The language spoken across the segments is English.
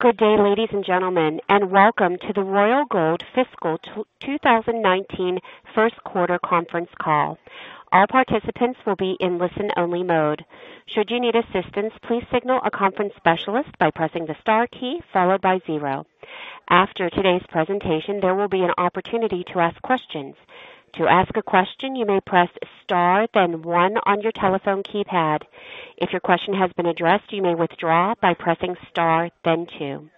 Good day, ladies and gentlemen, and welcome to the Royal Gold Fiscal 2019 First Quarter Conference Call. All participants will be in listen-only mode. Should you need assistance, please signal a conference specialist by pressing the star key followed by zero. After today's presentation, there will be an opportunity to ask questions. To ask a question, you may press star then one on your telephone keypad. If your question has been addressed, you may withdraw by pressing star then two.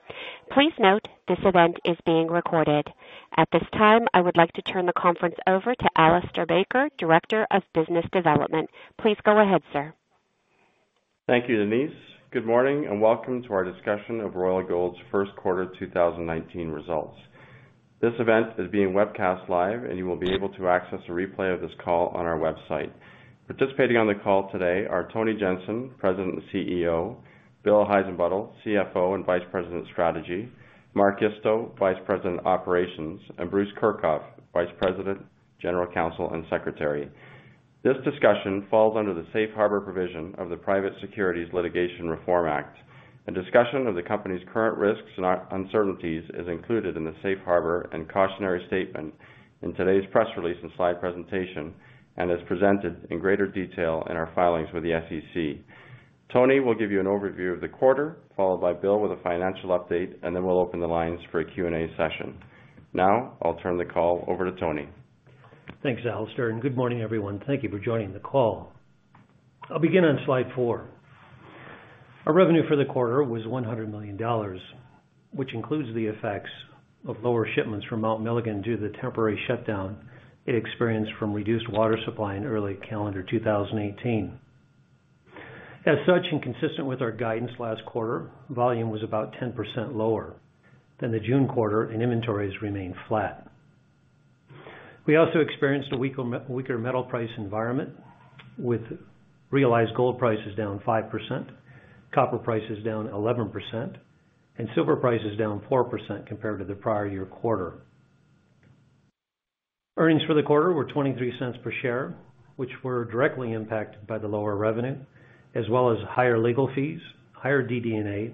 Please note, this event is being recorded. At this time, I would like to turn the conference over to Alistair Baker, Director of Business Development. Please go ahead, sir. Thank you, Denise. Good morning, and welcome to our discussion of Royal Gold's first quarter 2019 results. This event is being webcast live, and you will be able to access a replay of this call on our website. Participating on the call today are Tony Jensen, President and CEO; Bill Heissenbuttel, CFO and Vice President of Strategy; Mark Isto, Vice President of Operations; and Bruce Kirchhoff, Vice President, General Counsel, and Secretary. This discussion falls under the safe harbor provision of the Private Securities Litigation Reform Act. A discussion of the company's current risks and uncertainties is included in the safe harbor and cautionary statement in today's press release and slide presentation and is presented in greater detail in our filings with the SEC. Tony will give you an overview of the quarter, followed by Bill with a financial update, and then we'll open the lines for a Q&A session. I'll turn the call over to Tony. Thanks, Alistair, and good morning, everyone. Thank you for joining the call. I'll begin on slide four. Our revenue for the quarter was $100 million, which includes the effects of lower shipments from Mount Milligan due to the temporary shutdown it experienced from reduced water supply in early calendar 2018. As such, and consistent with our guidance last quarter, volume was about 10% lower than the June quarter and inventories remained flat. We also experienced a weaker metal price environment with realized gold prices down 5%, copper prices down 11%, and silver prices down 4% compared to the prior year quarter. Earnings for the quarter were $0.23 per share, which were directly impacted by the lower revenue as well as higher legal fees, higher DD&A,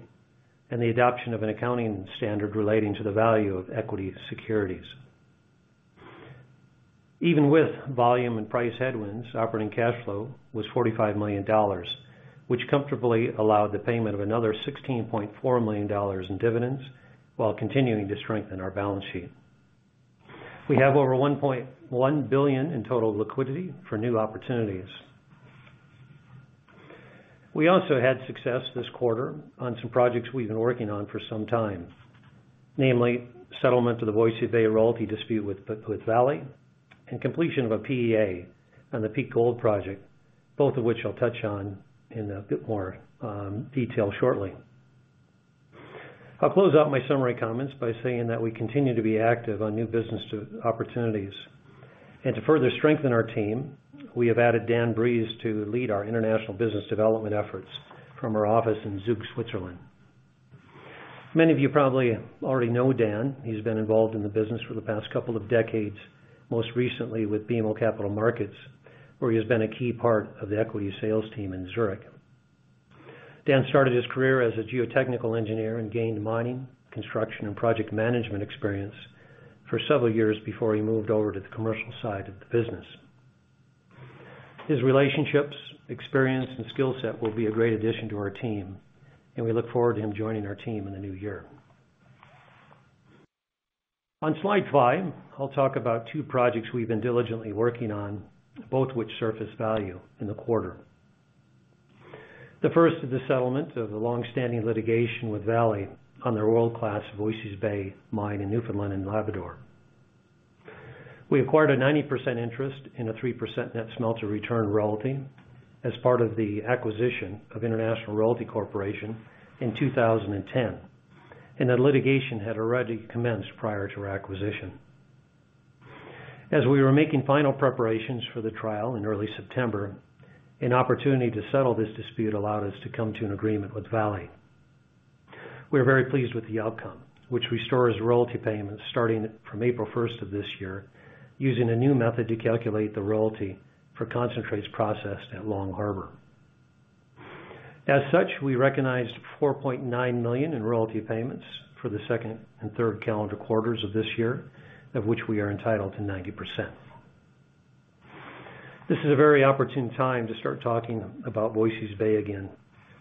and the adoption of an accounting standard relating to the value of equity securities. Even with volume and price headwinds, operating cash flow was $45 million, which comfortably allowed the payment of another $16.4 million in dividends while continuing to strengthen our balance sheet. We have over $1.1 billion in total liquidity for new opportunities. We also had success this quarter on some projects we've been working on for some time, namely settlement of the Voisey's Bay royalty dispute with Vale and completion of a PEA on the Peak Gold project, both of which I'll touch on in a bit more detail shortly. I'll close out my summary comments by saying that we continue to be active on new business opportunities. To further strengthen our team, we have added Dan Breeze to lead our international business development efforts from our office in Zug, Switzerland. Many of you probably already know Dan. He's been involved in the business for the past couple of decades, most recently with BMO Capital Markets, where he has been a key part of the equity sales team in Zurich. Dan started his career as a geotechnical engineer and gained mining, construction, and project management experience for several years before he moved over to the commercial side of the business. His relationships, experience, and skill set will be a great addition to our team, and we look forward to him joining our team in the new year. On slide five, I'll talk about two projects we've been diligently working on, both which surface value in the quarter. The first is the settlement of the longstanding litigation with Vale on their world-class Voisey's Bay mine in Newfoundland and Labrador. We acquired a 90% interest in a 3% net smelter return royalty as part of the acquisition of International Royalty Corporation in 2010, and that litigation had already commenced prior to our acquisition. As we were making final preparations for the trial in early September, an opportunity to settle this dispute allowed us to come to an agreement with Vale. We are very pleased with the outcome, which restores royalty payments starting from April 1st of this year, using a new method to calculate the royalty for concentrates processed at Long Harbor. As such, we recognized $4.9 million in royalty payments for the second and third calendar quarters of this year, of which we are entitled to 90%. This is a very opportune time to start talking about Voisey's Bay again,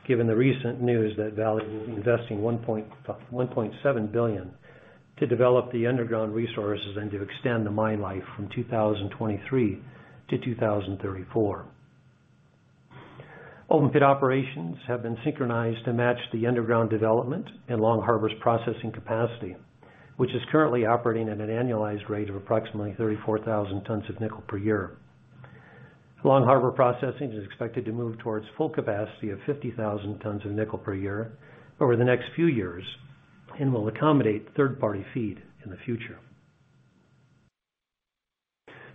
given the recent news that Vale will be investing $1.7 billion to develop the underground resources and to extend the mine life from 2023 to 2034. Open pit operations have been synchronized to match the underground development and Long Harbor's processing capacity, which is currently operating at an annualized rate of approximately 34,000 tons of nickel per year. Long Harbor Processing is expected to move towards full capacity of 50,000 tons of nickel per year over the next few years and will accommodate third-party feed in the future.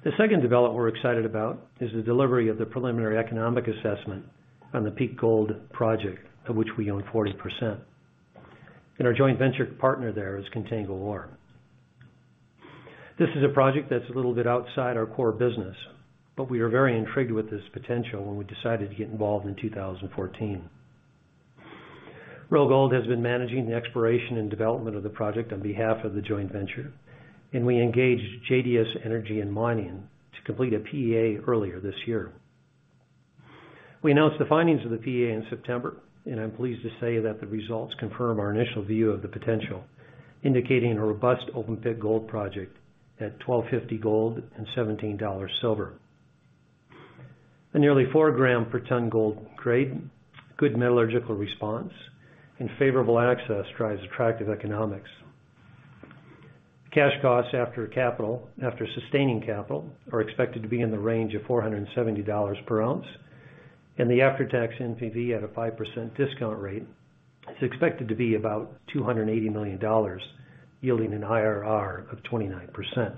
The second development we're excited about is the delivery of the preliminary economic assessment on the Peak Gold project, of which we own 40%. Our joint venture partner there is Contango ORE. This is a project that's a little bit outside our core business, but we were very intrigued with this potential when we decided to get involved in 2014. Royal Gold has been managing the exploration and development of the project on behalf of the joint venture, and we engaged JDS Energy & Mining to complete a PEA earlier this year. We announced the findings of the PEA in September, and I'm pleased to say that the results confirm our initial view of the potential, indicating a robust open-pit gold project at $1,250 gold and $17 silver. A nearly four gram per ton gold grade, good metallurgical response, and favorable access drives attractive economics. Cash costs after sustaining capital are expected to be in the range of $470 per ounce, and the after-tax NPV at a 5% discount rate is expected to be about $280 million, yielding an IRR of 29%.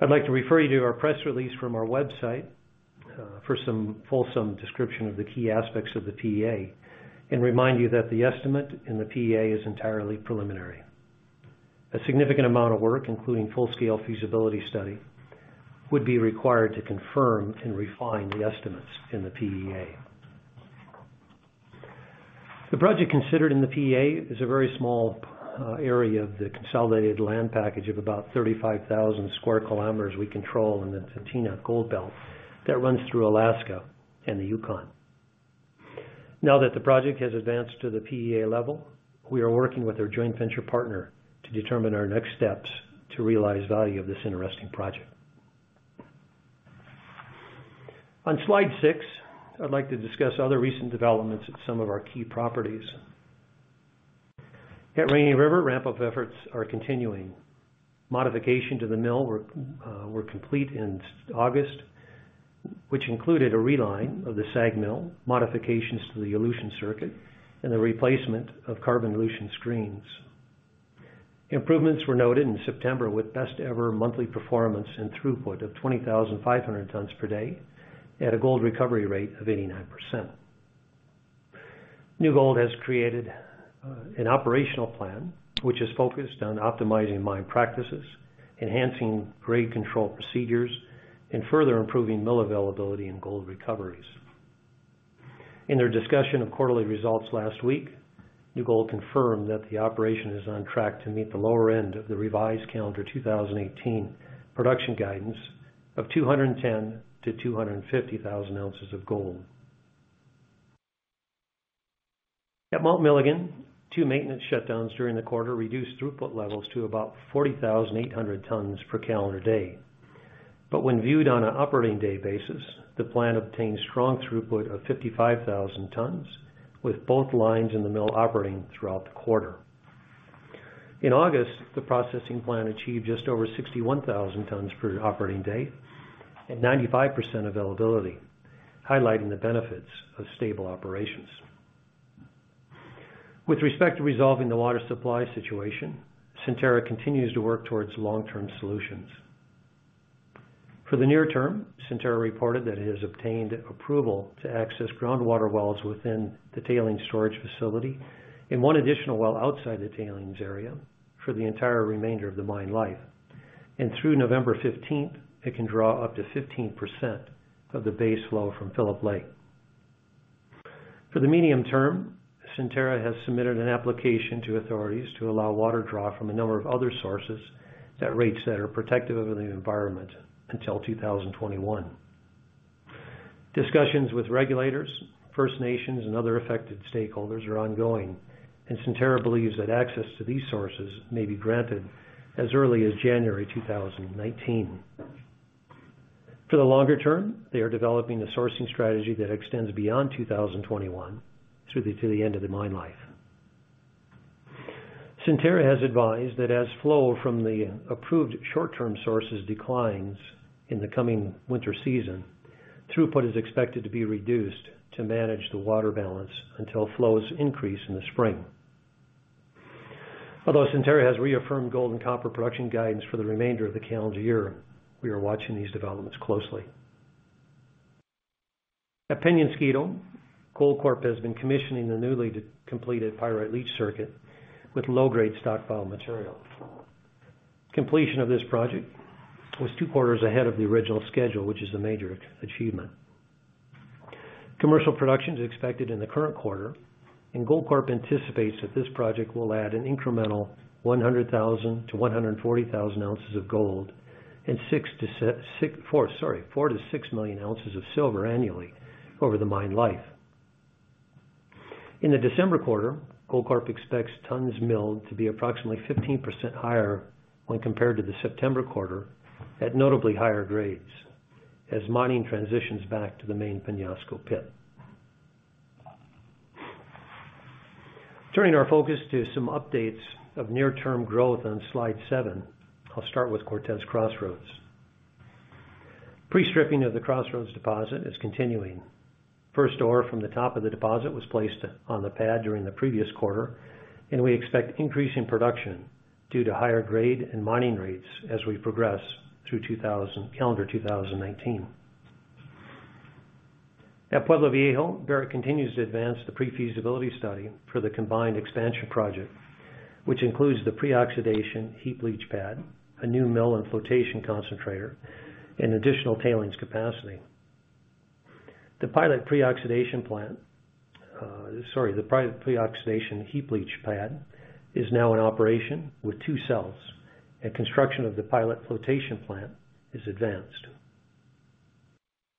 I'd like to refer you to our press release from our website for some fulsome description of the key aspects of the PEA, and remind you that the estimate in the PEA is entirely preliminary. A significant amount of work, including full-scale feasibility study, would be required to confirm and refine the estimates in the PEA. The project considered in the PEA is a very small area of the consolidated land package of about 35,000 square kilometers we control in the Tintina Gold Belt that runs through Alaska and the Yukon. On slide 6, I'd like to discuss other recent developments at some of our key properties. At Rainy River, ramp-up efforts are continuing. Modification to the mill were complete in August, which included a reline of the SAG mill, modifications to the elution circuit, and the replacement of carbon elution screens. Improvements were noted in September with best ever monthly performance and throughput of 20,500 tons per day at a gold recovery rate of 89%. New Gold has created an operational plan which is focused on optimizing mine practices, enhancing grade control procedures, and further improving mill availability and gold recoveries. In their discussion of quarterly results last week, New Gold confirmed that the operation is on track to meet the lower end of the revised calendar 2018 production guidance of 210,000-250,000 ounces of gold. At Mount Milligan, two maintenance shutdowns during the quarter reduced throughput levels to about 40,800 tons per calendar day. When viewed on an operating day basis, the plant obtained strong throughput of 55,000 tons, with both lines in the mill operating throughout the quarter. In August, the processing plant achieved just over 61,000 tons per operating day at 95% availability, highlighting the benefits of stable operations. With respect to resolving the water supply situation, Centerra continues to work towards long-term solutions. For the near term, Centerra reported that it has obtained approval to access groundwater wells within the tailings storage facility and one additional well outside the tailings area for the entire remainder of the mine life. Through November 15th, it can draw up to 15% of the base flow from Philip Lake. For the medium term, Centerra has submitted an application to authorities to allow water draw from a number of other sources at rates that are protective of the environment until 2021. Discussions with regulators, First Nations, and other affected stakeholders are ongoing. Centerra believes that access to these sources may be granted as early as January 2019. For the longer term, they are developing a sourcing strategy that extends beyond 2021 through to the end of the mine life. Centerra has advised that as flow from the approved short-term sources declines in the coming winter season, throughput is expected to be reduced to manage the water balance until flows increase in the spring. Although Centerra has reaffirmed gold and copper production guidance for the remainder of the calendar year, we are watching these developments closely. At Peñasquito, Goldcorp has been commissioning the newly completed pyrite leach circuit with low-grade stockpile material. Completion of this project was two quarters ahead of the original schedule, which is a major achievement. Commercial production is expected in the current quarter. Goldcorp anticipates that this project will add an incremental 100,000-140,000 ounces of gold and 4 million-6 million ounces of silver annually over the mine life. In the December quarter, Goldcorp expects tons milled to be approximately 15% higher when compared to the September quarter at notably higher grades as mining transitions back to the main Peñasquito pit. Turning our focus to some updates of near-term growth on slide seven, I'll start with Cortez Crossroads. Pre-stripping of the Crossroads deposit is continuing. First ore from the top of the deposit was placed on the pad during the previous quarter. We expect increasing production due to higher grade and mining rates as we progress through calendar 2019. At Pueblo Viejo, Barrick continues to advance the pre-feasibility study for the combined expansion project, which includes the pre-oxidation heap leach pad, a new mill and flotation concentrator, and additional tailings capacity. The pilot pre-oxidation heap leach pad is now in operation with two cells. Construction of the pilot flotation plant is advanced.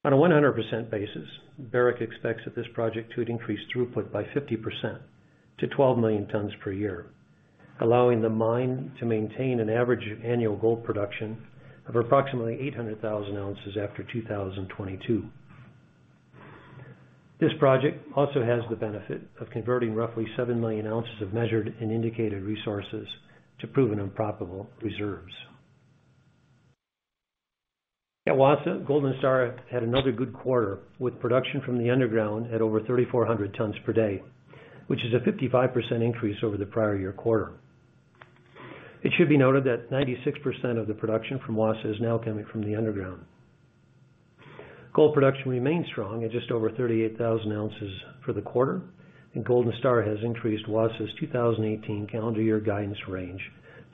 On a 100% basis, Barrick expects that this project to increase throughput by 50% to 12 million tons per year, allowing the mine to maintain an average annual gold production of approximately 800,000 ounces after 2022. This project also has the benefit of converting roughly seven million ounces of measured and indicated resources to proven and probable reserves. At Wassa, Golden Star had another good quarter, with production from the underground at over 3,400 tons per day, which is a 55% increase over the prior year quarter. It should be noted that 96% of the production from Wassa is now coming from the underground. Gold production remains strong at just over 38,000 ounces for the quarter. Golden Star has increased Wassa's 2018 calendar year guidance range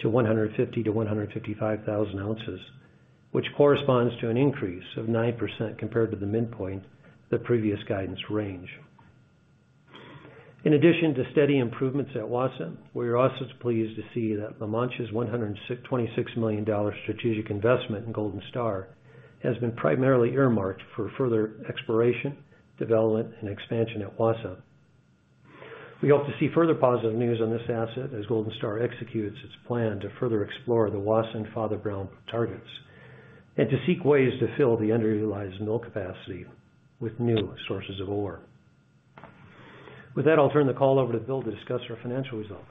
to 150,000-155,000 ounces, which corresponds to an increase of 9% compared to the midpoint of the previous guidance range. In addition to steady improvements at Wassa, we are also pleased to see that La Mancha's $126 million strategic investment in Golden Star has been primarily earmarked for further exploration, development, and expansion at Wassa. We hope to see further positive news on this asset as Golden Star executes its plan to further explore the Wassa and Father Brown targets and to seek ways to fill the underutilized mill capacity with new sources of ore. With that, I'll turn the call over to Bill to discuss our financial results.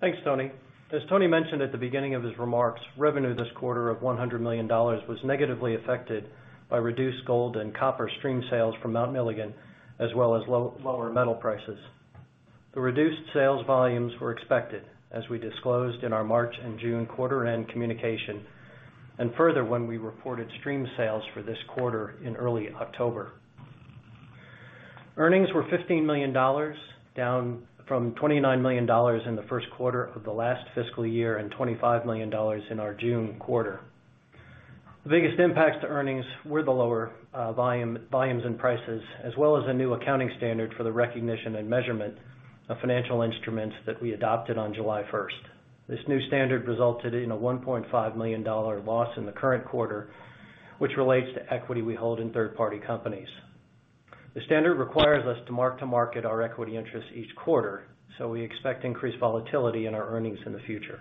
Thanks, Tony. As Tony mentioned at the beginning of his remarks, revenue this quarter of $100 million was negatively affected by reduced gold and copper stream sales from Mount Milligan, as well as lower metal prices. The reduced sales volumes were expected, as we disclosed in our March and June quarter-end communication, and further when we reported stream sales for this quarter in early October. Earnings were $15 million, down from $29 million in the first quarter of the last fiscal year and $25 million in our June quarter. The biggest impacts to earnings were the lower volumes and prices, as well as a new accounting standard for the recognition and measurement of financial instruments that we adopted on July 1st. This new standard resulted in a $1.5 million loss in the current quarter, which relates to equity we hold in third-party companies. The standard requires us to mark to market our equity interest each quarter. We expect increased volatility in our earnings in the future.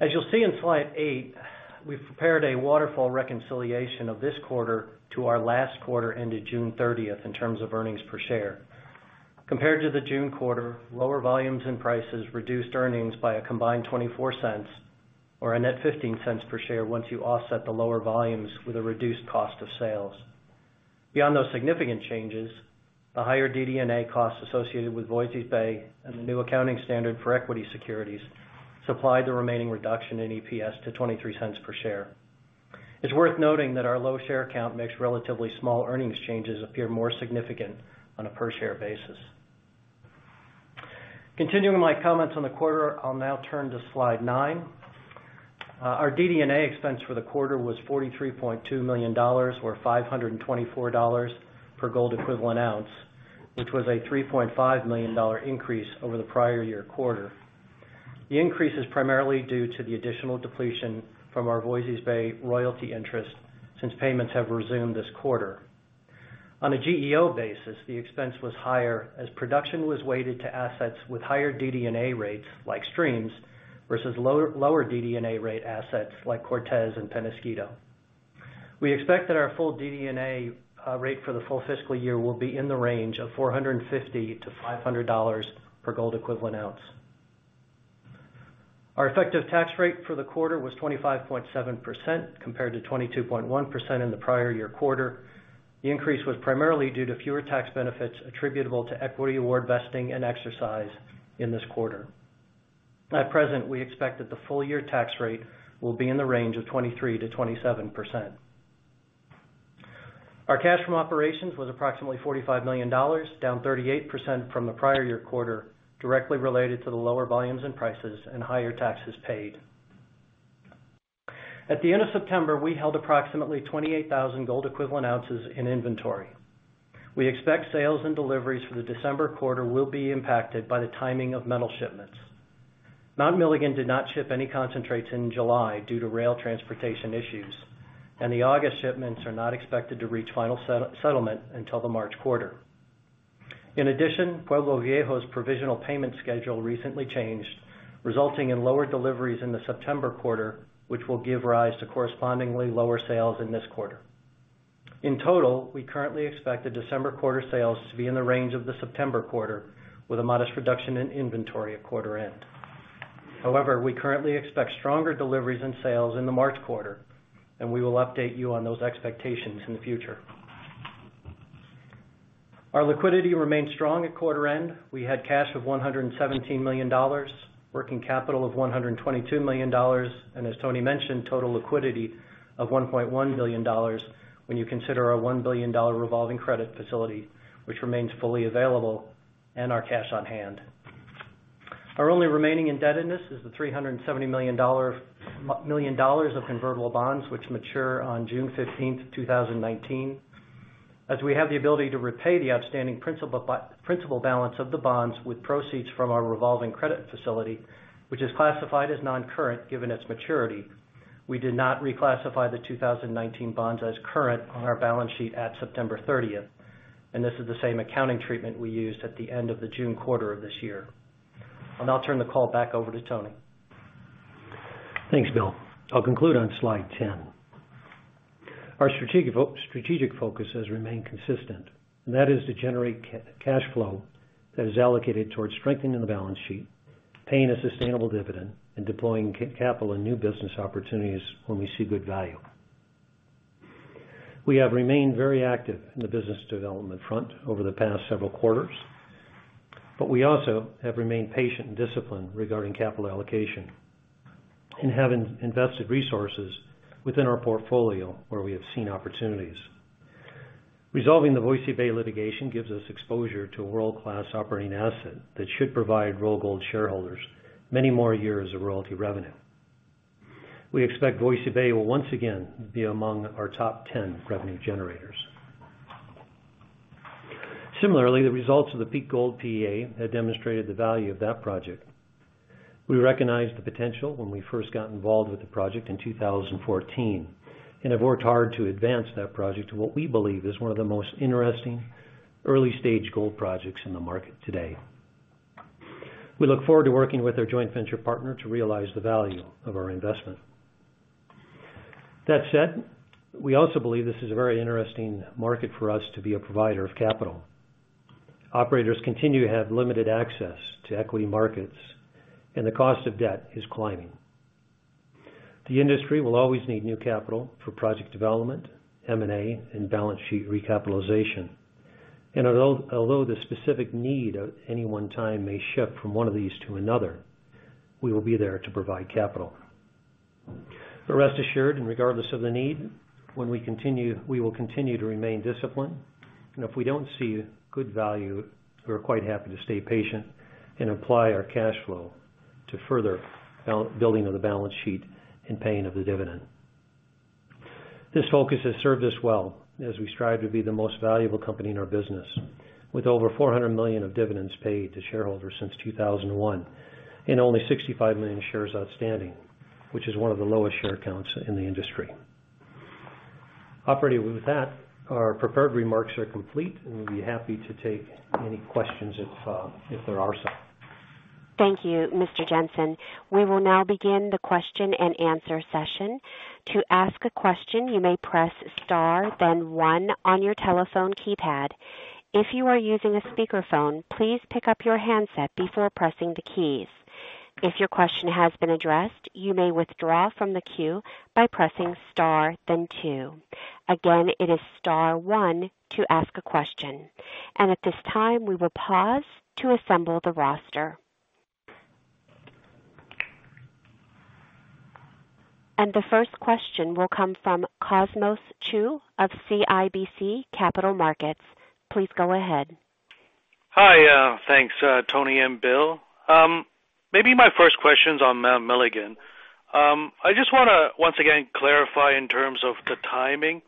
As you'll see in slide eight, we've prepared a waterfall reconciliation of this quarter to our last quarter ended June 30th in terms of earnings per share. Compared to the June quarter, lower volumes and prices reduced earnings by a combined $0.24, or a net $0.15 per share, once you offset the lower volumes with a reduced cost of sales. Beyond those significant changes, the higher DD&A costs associated with Voisey's Bay and the new accounting standard for equity securities supplied the remaining reduction in EPS to $0.23 per share. It's worth noting that our low share count makes relatively small earnings changes appear more significant on a per share basis. Continuing my comments on the quarter, I'll now turn to slide nine. Our DD&A expense for the quarter was $43.2 million, or $524 per gold equivalent ounce, which was a $3.5 million increase over the prior year quarter. The increase is primarily due to the additional depletion from our Voisey's Bay royalty interest since payments have resumed this quarter. On a GEO basis, the expense was higher as production was weighted to assets with higher DD&A rates, like streams, versus lower DD&A rate assets, like Cortez and Peñasquito. We expect that our full DD&A rate for the full fiscal year will be in the range of $450-$500 per gold equivalent ounce. Our effective tax rate for the quarter was 25.7%, compared to 22.1% in the prior year quarter. The increase was primarily due to fewer tax benefits attributable to equity award vesting and exercise in this quarter. At present, we expect that the full year tax rate will be in the range of 23%-27%. Our cash from operations was approximately $45 million, down 38% from the prior year quarter, directly related to the lower volumes and prices and higher taxes paid. At the end of September, we held approximately 28,000 gold equivalent ounces in inventory. We expect sales and deliveries for the December quarter will be impacted by the timing of metal shipments. Mount Milligan did not ship any concentrates in July due to rail transportation issues, and the August shipments are not expected to reach final settlement until the March quarter. In addition, Pueblo Viejo's provisional payment schedule recently changed, resulting in lower deliveries in the September quarter, which will give rise to correspondingly lower sales in this quarter. In total, we currently expect the December quarter sales to be in the range of the September quarter, with a modest reduction in inventory at quarter end. We currently expect stronger deliveries and sales in the March quarter, and we will update you on those expectations in the future. Our liquidity remains strong at quarter end. We had cash of $117 million, working capital of $122 million, and as Tony mentioned, total liquidity of $1.1 billion when you consider our $1 billion revolving credit facility, which remains fully available and our cash on hand. Our only remaining indebtedness is the $370 million of convertible bonds, which mature on June 15th, 2019. We have the ability to repay the outstanding principal balance of the bonds with proceeds from our revolving credit facility, which is classified as non-current given its maturity, we did not reclassify the 2019 bonds as current on our balance sheet at September 30th. This is the same accounting treatment we used at the end of the June quarter of this year. I'll now turn the call back over to Tony. Thanks, Bill. I'll conclude on slide 10. Our strategic focus has remained consistent. That is to generate cash flow that is allocated towards strengthening the balance sheet, paying a sustainable dividend, and deploying capital and new business opportunities when we see good value. We also have remained patient and disciplined regarding capital allocation and have invested resources within our portfolio where we have seen opportunities. Resolving the Voisey's Bay litigation gives us exposure to a world-class operating asset that should provide Royal Gold shareholders many more years of royalty revenue. We expect Voisey's Bay will once again be among our top 10 revenue generators. Similarly, the results of the Peak Gold PEA have demonstrated the value of that project. We recognized the potential when we first got involved with the project in 2014 and have worked hard to advance that project to what we believe is one of the most interesting early-stage gold projects in the market today. We look forward to working with our joint venture partner to realize the value of our investment. That said, we also believe this is a very interesting market for us to be a provider of capital. Operators continue to have limited access to equity markets, and the cost of debt is climbing. The industry will always need new capital for project development, M&A, and balance sheet recapitalization. Although the specific need at any one time may shift from one of these to another, we will be there to provide capital. Rest assured, and regardless of the need, we will continue to remain disciplined, and if we don't see good value, we are quite happy to stay patient and apply our cash flow to further building of the balance sheet and paying of the dividend. This focus has served us well as we strive to be the most valuable company in our business with over $400 million of dividends paid to shareholders since 2001 and only $65 million shares outstanding, which is one of the lowest share counts in the industry. Operating with that, our prepared remarks are complete, and we'd be happy to take any questions if there are some. Thank you, Mr. Jensen. We will now begin the question and answer session. To ask a question, you may press star then one on your telephone keypad. If you are using a speakerphone, please pick up your handset before pressing the keys. If your question has been addressed, you may withdraw from the queue by pressing star then two. Again, it is star one to ask a question. At this time, we will pause to assemble the roster. The first question will come from Cosmos Chiu of CIBC Capital Markets. Please go ahead. Hi. Thanks, Tony and Bill. Maybe my first question's on Mount Milligan. I just want to once again clarify in terms of the timing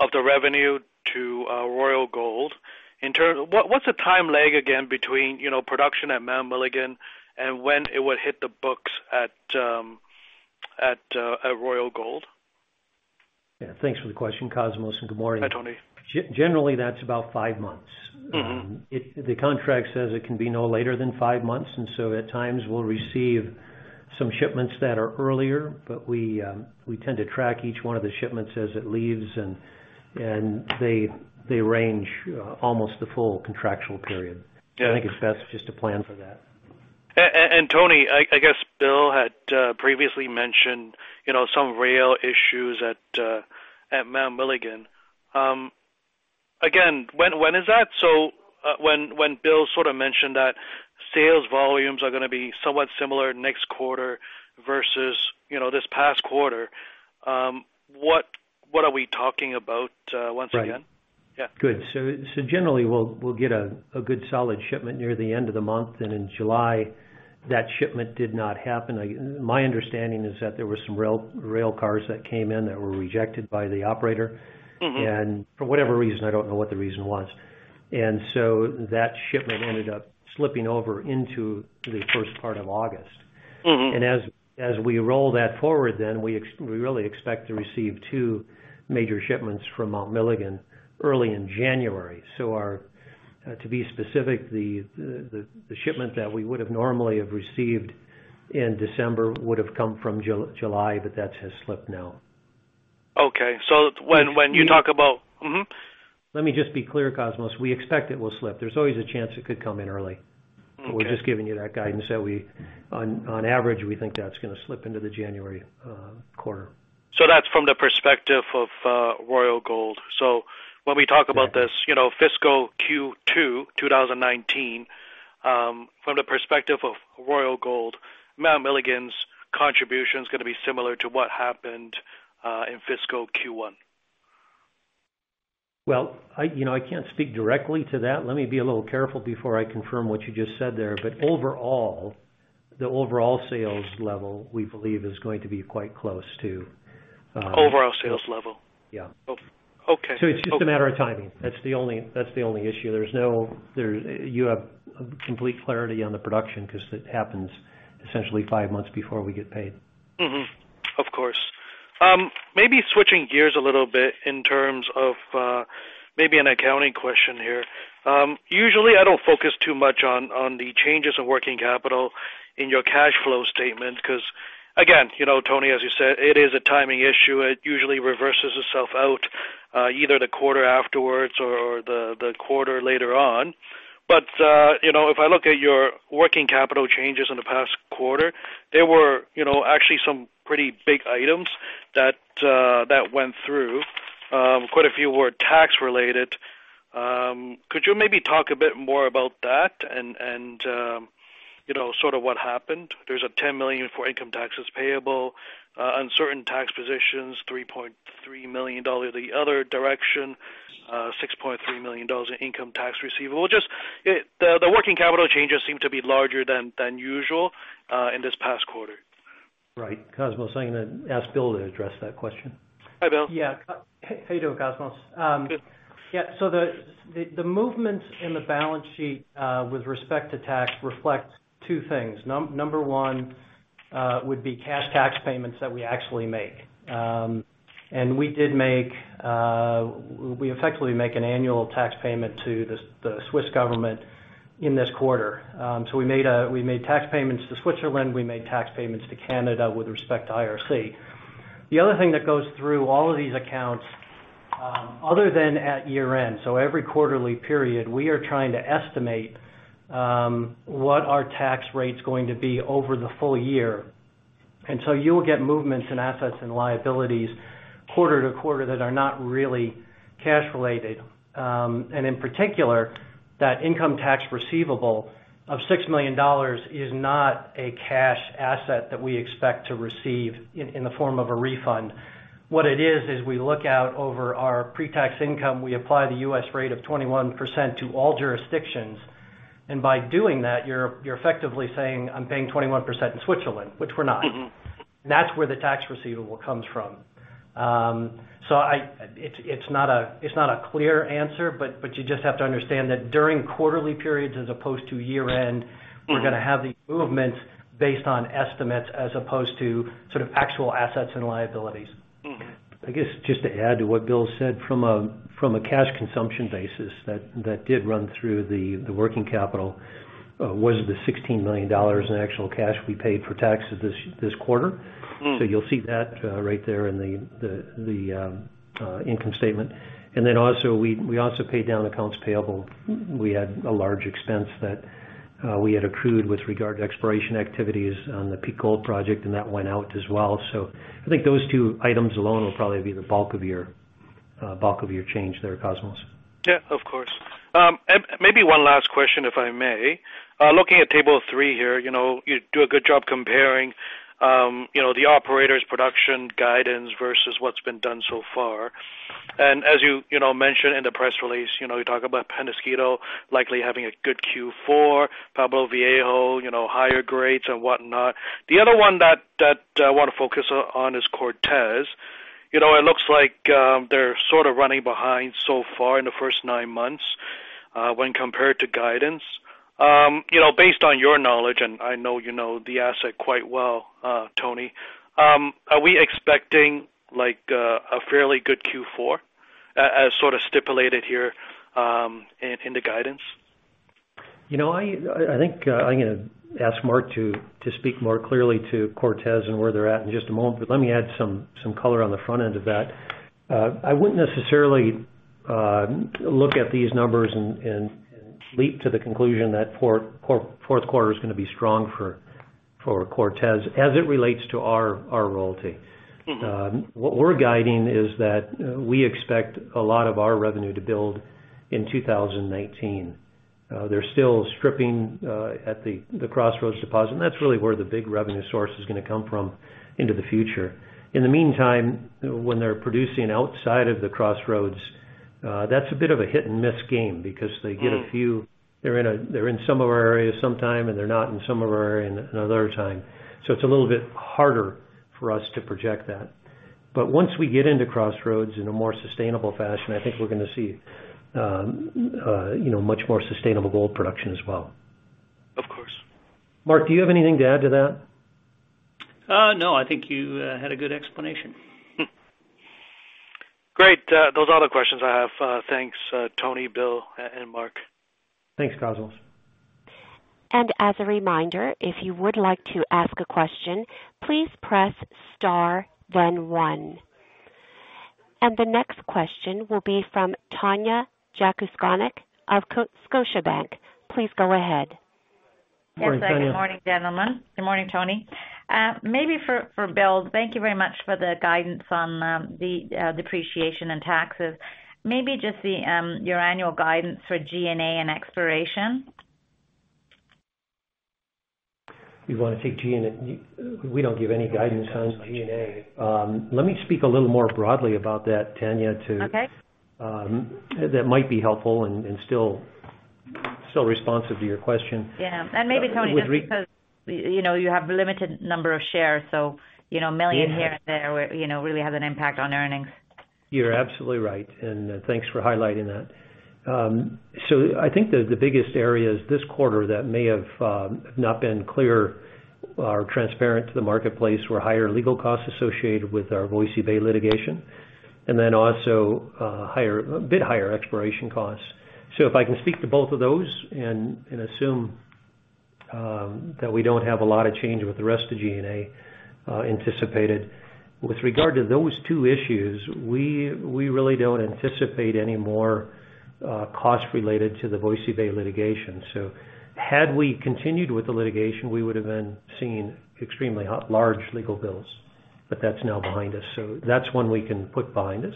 of the revenue to Royal Gold. What's the time lag again between production at Mount Milligan and when it would hit the books at Royal Gold? Yeah, thanks for the question, Cosmos. Good morning. Hi, Tony. Generally, that's about five months. The contract says it can be no later than five months. At times we'll receive some shipments that are earlier. We tend to track each one of the shipments as it leaves. They range almost the full contractual period. Yeah. I think it's best just to plan for that. Tony, I guess Bill had previously mentioned some rail issues at Mount Milligan. Again, when is that? When Bill sort of mentioned that sales volumes are going to be somewhat similar next quarter versus this past quarter, what are we talking about once again? Right. Yeah. Good. Generally, we'll get a good solid shipment near the end of the month. In July, that shipment did not happen. My understanding is that there were some rail cars that came in that were rejected by the operator. For whatever reason, I don't know what the reason was. So that shipment ended up slipping over into the first part of August. As we roll that forward then, we really expect to receive two major shipments from Mount Milligan early in January. To be specific, the shipment that we would have normally have received in December would have come from July, but that has slipped now. Okay. When you talk about Let me just be clear, Cosmos. We expect it will slip. There's always a chance it could come in early. We're just giving you that guidance that on average, we think that's going to slip into the January quarter. That's from the perspective of Royal Gold. When we talk about this fiscal Q2 2019, from the perspective of Royal Gold, Mount Milligan's contribution is going to be similar to what happened in fiscal Q1. Well, I can't speak directly to that. Let me be a little careful before I confirm what you just said there. The overall sales level, we believe, is going to be quite close to. Overall sales level. Yeah. Okay. It's just a matter of timing. That's the only issue. You have complete clarity on the production because it happens essentially five months before we get paid. Of course. Maybe switching gears a little bit in terms of maybe an accounting question here. Usually, I don't focus too much on the changes of working capital in your cash flow statement, because, again, Tony, as you said, it is a timing issue. It usually reverses itself out, either the quarter afterwards or the quarter later on. If I look at your working capital changes in the past quarter, there were actually some pretty big items that went through. Quite a few were tax related. Could you maybe talk a bit more about that and sort of what happened? There's a $10 million for income taxes payable, uncertain tax positions, $3.3 million the other direction, $6.3 million in income tax receivable. Just the working capital changes seem to be larger than usual in this past quarter. Right. Cosmos, I'm going to ask Bill to address that question. Hi, Bill. Yeah. How you doing, Cosmos? Good. Yeah. The movements in the balance sheet with respect to tax reflect two things. Number one would be cash tax payments that we actually make. We effectively make an annual tax payment to the Swiss government in this quarter. We made tax payments to Switzerland. We made tax payments to Canada with respect to IRC. The other thing that goes through all of these accounts, other than at year-end, so every quarterly period, we are trying to estimate what our tax rate's going to be over the full year. You'll get movements in assets and liabilities quarter to quarter that are not really cash related. In particular, that income tax receivable of $6 million is not a cash asset that we expect to receive in the form of a refund. What it is we look out over our pre-tax income, we apply the U.S. rate of 21% to all jurisdictions, and by doing that, you're effectively saying, "I'm paying 21% in Switzerland," which we're not. That's where the tax receivable comes from. It's not a clear answer, but you just have to understand that during quarterly periods as opposed to year-end, we're going to have these movements based on estimates as opposed to sort of actual assets and liabilities. I guess just to add to what Bill said, from a cash consumption basis, that did run through the working capital, was the $16 million in actual cash we paid for taxes this quarter. You'll see that right there in the income statement. Also, we also paid down accounts payable. We had a large expense that we had accrued with regard to exploration activities on the Peak Gold project, and that went out as well. I think those two items alone will probably be the bulk of your change there, Cosmos. Yeah, of course. Maybe one last question, if I may. Looking at table three here, you do a good job comparing the operator's production guidance versus what's been done so far. As you mentioned in the press release, you talk about Peñasquito likely having a good Q4, Pueblo Viejo, higher grades and whatnot. The other one that I want to focus on is Cortez. It looks like they're sort of running behind so far in the first nine months when compared to guidance. Based on your knowledge, and I know you know the asset quite well, Tony, are we expecting a fairly good Q4 as sort of stipulated here in the guidance? I think I'm going to ask Mark to speak more clearly to Cortez and where they're at in just a moment, but let me add some color on the front end of that. I wouldn't necessarily look at these numbers and leap to the conclusion that fourth quarter is going to be strong for Cortez as it relates to our royalty. What we're guiding is that we expect a lot of our revenue to build in 2019. They're still stripping at the Crossroads deposit, that's really where the big revenue source is going to come from into the future. In the meantime, when they're producing outside of the Crossroads, that's a bit of a hit-and-miss game because they get. They're in some of our areas sometime, and they're not in some of our areas another time. It's a little bit harder for us to project that. Once we get into Crossroads in a more sustainable fashion, I think we're going to see much more sustainable gold production as well. Of course. Mark, do you have anything to add to that? No, I think you had a good explanation. Great. Those are all the questions I have. Thanks, Tony, Bill, and Mark. Thanks, Cosmos. As a reminder, if you would like to ask a question, please press star, then one. The next question will be from Tanya Jakusconek of Scotiabank. Please go ahead. Go ahead, Tanya. Yes. Good morning, gentlemen. Good morning, Tony. Thank you very much for the guidance on the depreciation and taxes. Maybe just your annual guidance for G&A and exploration. You want to take G&A? We don't give any guidance on G&A. Let me speak a little more broadly about that, Tanya. Okay that might be helpful and still responsive to your question. Yeah. Maybe Tony, just because, you have limited number of shares, so a million here and there really has an impact on earnings. You're absolutely right. Thanks for highlighting that. I think the biggest areas this quarter that may have not been clear or transparent to the marketplace were higher legal costs associated with our Voisey's Bay litigation, and then also a bit higher exploration costs. If I can speak to both of those and assume that we don't have a lot of change with the rest of G&A anticipated. With regard to those two issues, we really don't anticipate any more costs related to the Voisey's Bay litigation. Had we continued with the litigation, we would've been seeing extremely large legal bills. That's now behind us, so that's one we can put behind us.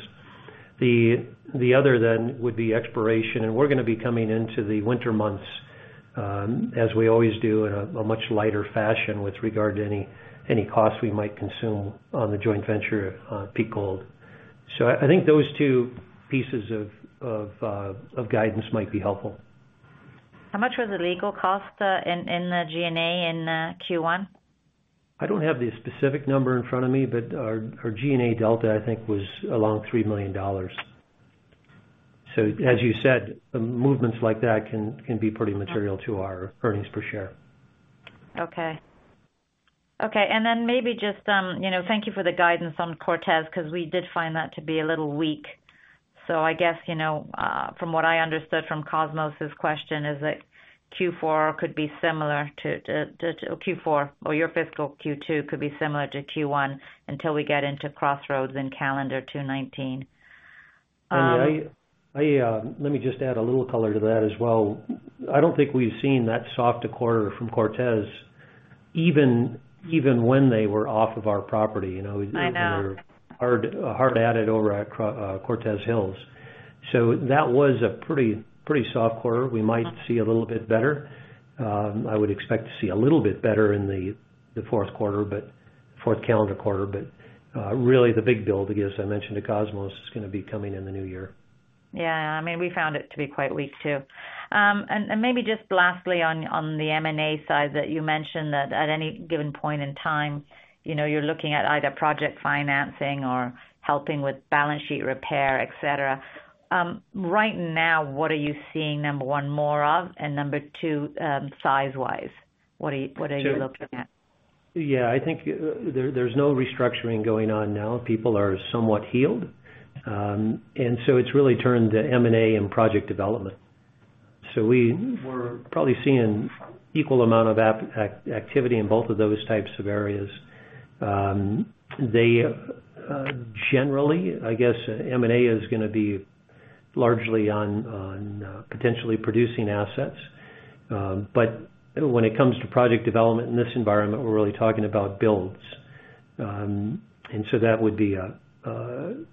The other then would be exploration, and we're going to be coming into the winter months, as we always do, in a much lighter fashion with regard to any costs we might consume on the joint venture Peak Gold. I think those two pieces of guidance might be helpful. How much was the legal cost in the G&A in Q1? I don't have the specific number in front of me, our G&A delta, I think, was along $3 million. As you said, movements like that can be pretty material to our earnings per share. Okay. Maybe just thank you for the guidance on Cortez, because we did find that to be a little weak. I guess, from what I understood from Cosmos' question is that Q4 or your fiscal Q2 could be similar to Q1 until we get into Crossroads in calendar 2 2019. Tanya, let me just add a little color to that as well. I don't think we've seen that soft a quarter from Cortez even when they were off of our property. I know. They were hard at it over at Cortez Hills. That was a pretty soft quarter. We might see a little bit better. I would expect to see a little bit better in the fourth calendar quarter. Really the big build, as I mentioned to Cosmos, is going to be coming in the new year. Yeah. We found it to be quite weak, too. Maybe just lastly on the M&A side that you mentioned that at any given point in time, you're looking at either project financing or helping with balance sheet repair, et cetera. Right now, what are you seeing, number one, more of, and number two, size-wise? What are you looking at? Yeah, I think there's no restructuring going on now. People are somewhat healed. It's really turned to M&A and project development. We're probably seeing equal amount of activity in both of those types of areas. Generally, I guess M&A is going to be largely on potentially producing assets. When it comes to project development in this environment, we're really talking about builds. That would be probably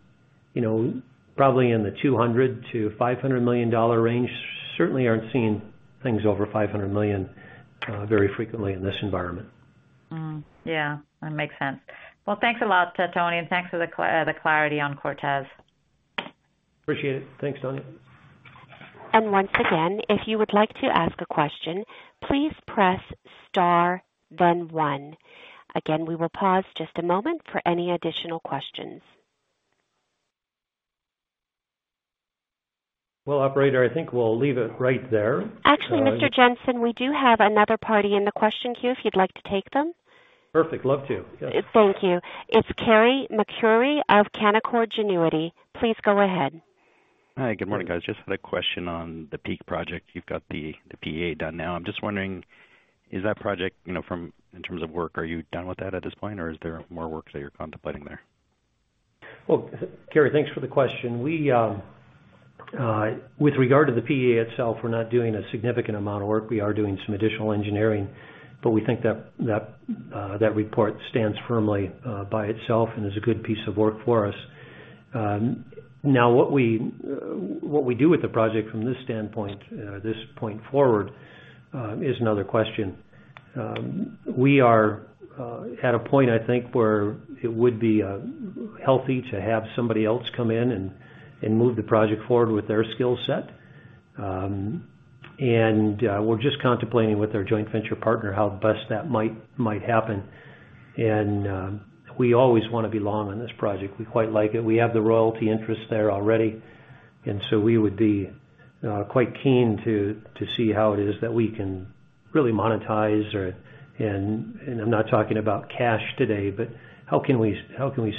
in the $200 million-$500 million range. Certainly aren't seeing things over $500 million very frequently in this environment. Yeah, that makes sense. Well, thanks a lot, Tony, and thanks for the clarity on Cortez. Appreciate it. Thanks, Tanya. Once again, if you would like to ask a question, please press star, then one. Again, we will pause just a moment for any additional questions. Well, operator, I think we'll leave it right there. Actually, Mr. Jensen, we do have another party in the question queue if you'd like to take them. Perfect. Love to. Yes. Thank you. It's Carey MacRury of Canaccord Genuity. Please go ahead. Hi, good morning, guys. Just had a question on the Peak project. You've got the PEA done now. I'm just wondering, is that project, in terms of work, are you done with that at this point, or is there more work that you're contemplating there? Well, Carey, thanks for the question. With regard to the PEA itself, we're not doing a significant amount of work. We are doing some additional engineering, but we think that report stands firmly by itself and is a good piece of work for us. What we do with the project from this point forward is another question. We are at a point, I think, where it would be healthy to have somebody else come in and move the project forward with their skill set. We're just contemplating with our joint venture partner how best that might happen. We always want to be long on this project. We quite like it. We have the royalty interest there already, and so we would be quite keen to see how it is that we can really monetize or, and I'm not talking about cash today, but how can we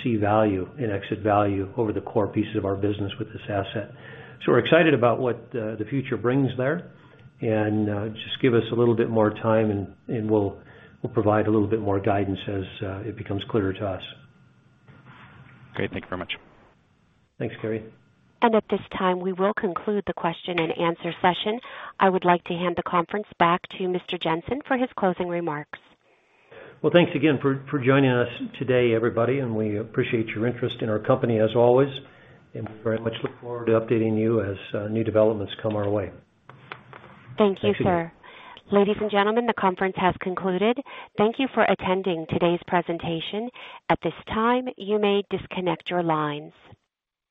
see value and exit value over the core pieces of our business with this asset? We're excited about what the future brings there, and just give us a little bit more time and we'll provide a little bit more guidance as it becomes clearer to us. Great. Thank you very much. Thanks, Carey. At this time, we will conclude the question and answer session. I would like to hand the conference back to Mr. Jensen for his closing remarks. Well, thanks again for joining us today, everybody. We appreciate your interest in our company as always. We very much look forward to updating you as new developments come our way. Thank you, sir. Thank you. Ladies and gentlemen, the conference has concluded. Thank you for attending today's presentation. At this time, you may disconnect your lines.